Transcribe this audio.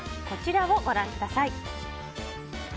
こちらをご覧ください。